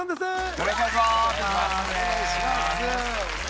よろしくお願いします。